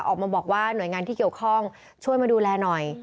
ออกมาบอกว่าหน่วยงานที่เกี่ยวข้องช่วยมาดูแลหน่อย